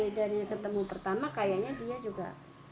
dari ketemu pertama kayaknya dia juga